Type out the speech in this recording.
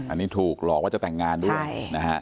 อันนี้ถูกหลอกว่าจะแต่งงานด้วยนะฮะ